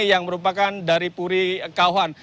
yang merupakan dari puri kauan